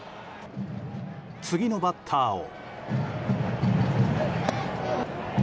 次のバッターを。